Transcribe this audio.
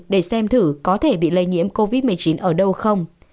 để xem thử có thể bị lây nhiễm covid một mươi chín ở đâu không